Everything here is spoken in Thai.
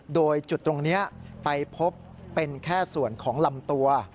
โดยจุดตรงนี้ไปพบเป็นแค่ส่วนของลำตัว